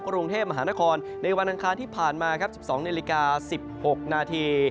กรุงเทพมหานครในวันอังคารที่ผ่านมาครับ๑๒นาฬิกา๑๖นาที